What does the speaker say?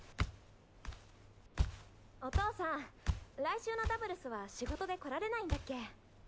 お父さん来週のダブルスは仕事で来られないんだっけ？